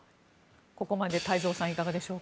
ここまで太蔵さんいかがでしょうか。